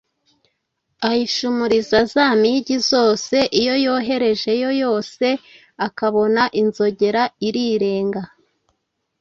ayishumuriza za mpigi zose, iyo yoherejeyo yose akabona inzogera irirenga,